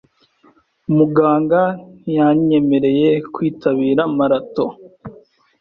Muganga ntiyanyemereye kwitabira marato.